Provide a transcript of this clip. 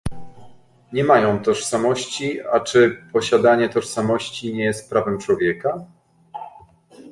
nie mają tożsamości - a czy posiadanie tożsamości nie jest prawem człowieka?